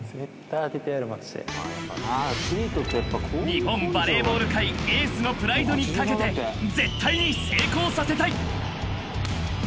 ［日本バレーボール界エースのプライドに懸けて絶対に成功させたい］